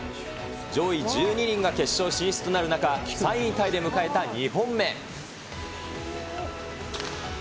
上位１２人が決勝進出となる中、３位タイで迎えた２本目。